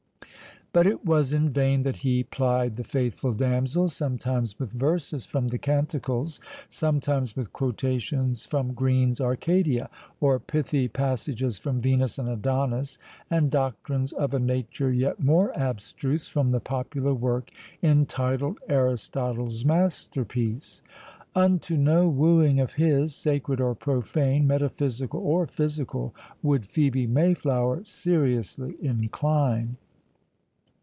But it was in vain that he plied the faithful damsel, sometimes with verses from the Canticles, sometimes with quotations from Green's Arcadia, or pithy passages from Venus and Adonis, and doctrines of a nature yet more abstruse, from the popular work entitled Aristotle's Masterpiece. Unto no wooing of his, sacred or profane, metaphysical or physical, would Phœbe Mayflower seriously incline.